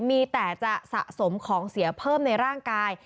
มีแต่จะสะสมของเสียเพิ่มในร่างกาย